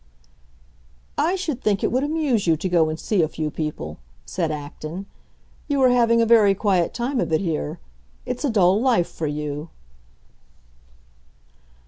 "I should think it would amuse you to go and see a few people," said Acton. "You are having a very quiet time of it here. It's a dull life for you."